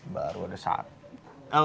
baru ada satu